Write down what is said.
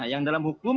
yang dalam hukum